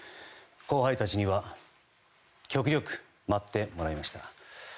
後輩たちには極力待ってもらいました。